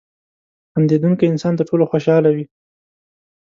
• خندېدونکی انسان تر ټولو خوشحاله وي.